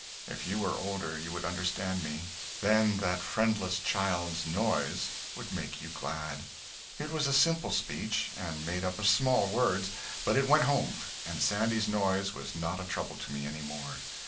If you were older, you would understand me; then that friendless child's noise would make you glad." It was a simple speech, and made up of small words, but it went home, and Sandy's noise was not a trouble to me any more.